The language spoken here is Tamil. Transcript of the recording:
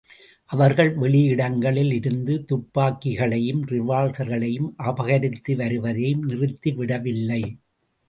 அவர்கள் வெளியிடங்களில் இருந்து துப்பாக்கிகளையும் ரிவால்வர்களையும் அபகரித்து வருவதையும் நிறுத்திவிடவில்லை.